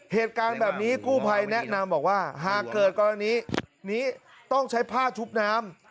เหตุการณ์แบบนี้กู้ภัยแนะนำบอกว่าหากเกิดกรณีนี้ต้องใช้ผ้าชุบน้ำ